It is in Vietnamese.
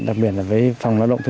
đặc biệt là với phòng đồng công an